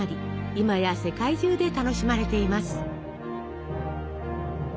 今や世界中で楽しまれています。